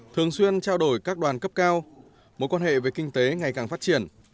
thường xuyên trao đổi các đoàn cấp cao mối quan hệ về kinh tế ngày càng phát triển